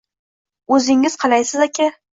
O‘zingiz qalaysiz, aka